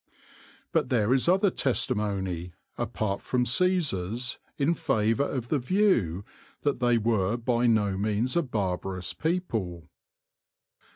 But there is other testimony, apart from Caesar's, in favour of the view that they were b}> no means a barbarous people.